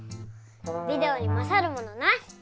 ビデオにまさるものなし！